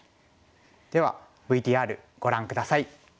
ではＶＴＲご覧下さい。